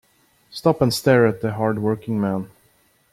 Stop and stare at the hard working man.